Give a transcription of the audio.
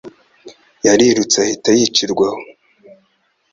Yarirutse ahita yicirwa aho.